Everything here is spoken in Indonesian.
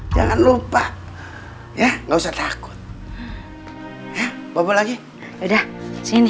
jangan lupa ya nggak usah takut ya bapak lagi udah sini